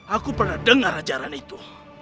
aku pernah dengar ajaran itu